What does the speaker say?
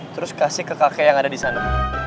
terus kasih ke kakek yang ada di sana